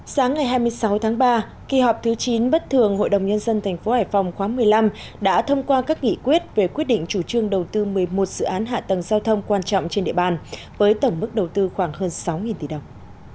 sáng ngày hai mươi sáu tháng ba kỳ họp thứ chín bất thường hội đồng nhân dân tp hải phòng khóa một mươi năm đã thông qua các nghị quyết về quyết định chủ trương đầu tư một mươi một dự án hạ tầng giao thông quan trọng trên địa bàn với tổng mức đầu tư khoảng hơn sáu tỷ đồng